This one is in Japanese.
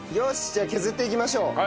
じゃあ削っていきましょう。